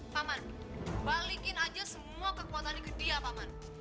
pak man balikin aja semua kekuatan yang ke dia pak man